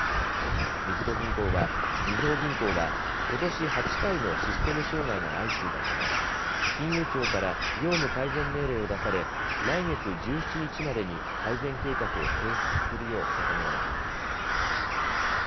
みずほ銀行はことし８回のシステム障害が相次いだため金融庁から業務改善命令を出され来月１７日までに改善計画を提出するよう求められています。